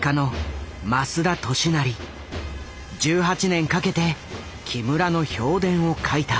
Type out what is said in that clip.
１８年かけて木村の評伝を書いた。